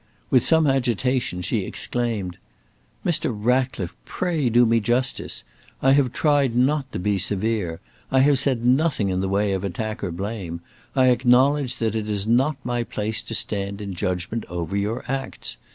With some agitation she exclaimed: "Mr. Ratcliffe, pray do me justice! I have tried not to be severe. I have said nothing in the way of attack or blame. I acknowledge that it is not my place to stand in judgment over your acts.